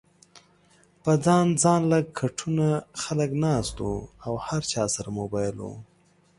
پۀ ځان ځانله کټونو خلک ناست وو او هر چا سره موبايل ؤ